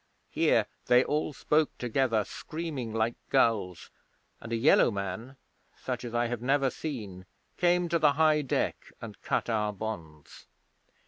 Here they all spoke together, screaming like gulls, and a Yellow Man, such as I have never seen, came to the high deck and cut our bonds.